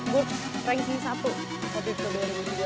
gue rank satu waktu itu dua ribu tiga belas gitu ya